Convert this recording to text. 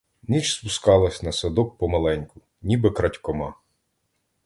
Ніч спускалась на садок помаленьку, ніби крадькома.